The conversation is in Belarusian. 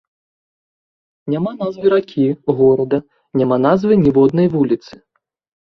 Няма назвы ракі, горада, няма назвы ніводнай вуліцы!